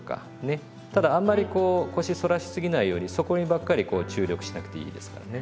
ただあんまりこう腰反らしすぎないようにそこにばっかりこう注力しなくていいですからね。